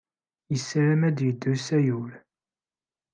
Yessaram ad yeddu s Ayyur.